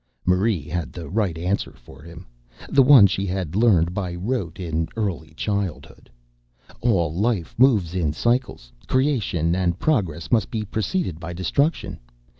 Marie had the right answer for him, the one she had learned by rote in early childhood: "All life moves in cycles. Creation and progress must be preceded by destruction.